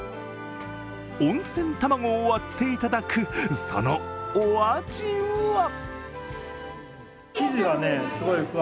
温泉卵を割って頂くそのお味は？